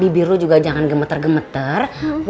bibir lu juga jangan gemeter gemeter